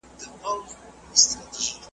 له هیڅ پلوه د مقایسې وړ نه دي .